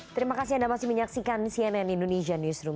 terima kasih anda masih menyaksikan cnn indonesia newsroom